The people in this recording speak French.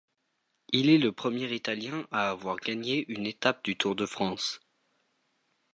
Il est le premier Italien à avoir gagné une étape du Tour de France.